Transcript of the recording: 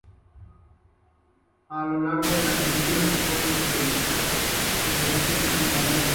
A lo largo de la película, se pueden diferenciar diferentes itinerarios.